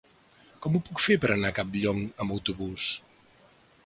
Com ho puc fer per anar a Campllong amb autobús?